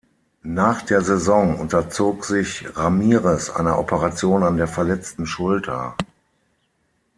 Nach der Saison unterzog sich Ramírez einer Operation an der verletzten Schulter.